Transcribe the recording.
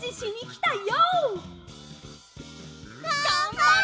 がんばれ！